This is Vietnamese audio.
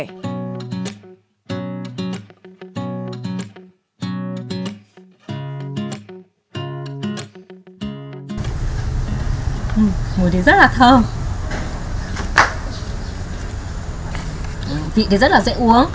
mùi thơm rất là thơm vị rất là dễ uống